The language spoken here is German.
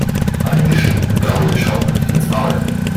Einem geschenkten Gaul schaut man nicht ins Maul.